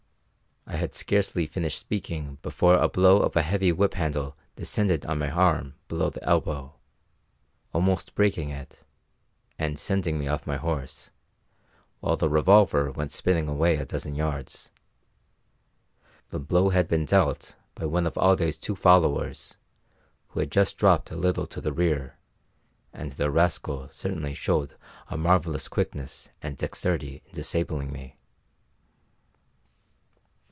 I had scarcely finished speaking before a blow of a heavy whip handle descended on my arm below the elbow, almost breaking it, and sending me off my horse, while the revolver went spinning away a dozen yards. The blow had been dealt by one of Alday's two followers, who had just dropped a little to the rear, and the rascal certainly showed a marvellous quickness and dexterity in disabling me.